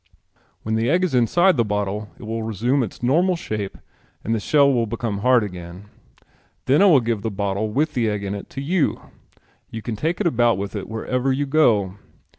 When the egg is inside the bottle it will resume its normal shape and the shell will become hard again. Then I will give the bottle with the egg in it to you. You can take it about with you wherever you go.